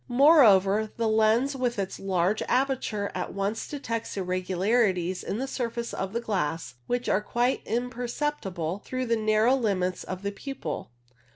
Moreover, the lens with its large aperature at once detects irregularities in the surface of the glass, which are quite imperceptible through the narrow limits of the pupil.